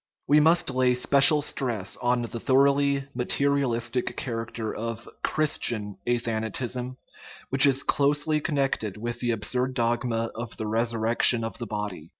We must lay special stress on the thoroughly mate rialistic character of Christian athanatism, which is closely connected with the absurd dogma of the " resur rection of the body."